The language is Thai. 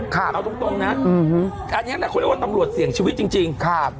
เอาตรงตรงนะอืมฮะอันเนี้ยแหละคนเรียกว่าตำรวจเสี่ยงชีวิตจริงจริง